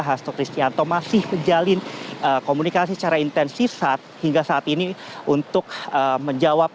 hasto kristianto masih menjalin komunikasi secara intensif hingga saat ini untuk menjawab